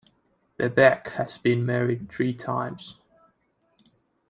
Bebek has been married three times.